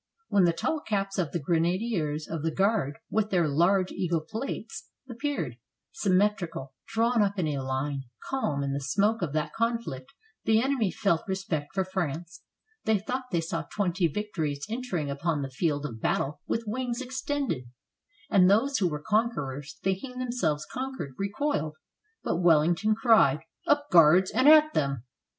When the tall caps of the grenadiers of the Guard, with their large eagle plates, appeared, symmetrical, drawn up in line, calm, in the smoke of that conflict, the enemy felt respect for France; they thought they saw twenty victories entering upon the field of battle with wings extended, and those who were conquerors, thinking themselves conquered, recoiled; but Wellington cried "Up, Guards, and at them!"